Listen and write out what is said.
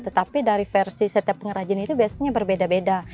tetapi dari versi setiap pengrajin itu biasanya berbeda beda